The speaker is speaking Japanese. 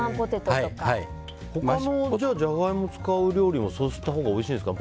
他のジャガイモを使う料理もそうしたほうがおいしいんですか。